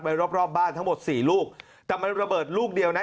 รอบรอบบ้านทั้งหมดสี่ลูกแต่มันระเบิดลูกเดียวนะ